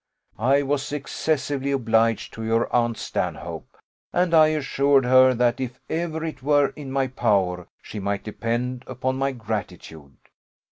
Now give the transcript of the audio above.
I was excessively obliged to your aunt Stanhope; and I assured her that if ever it were in my power, she might depend upon my gratitude.